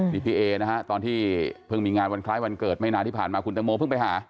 นี่พี่เอนะฮะตอนที่เพิ่งมีงานวันคล้ายวันเกิดไม่นานที่ผ่านมาคุณตังโมเพิ่งไปหา